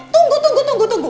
tunggu tunggu tunggu tunggu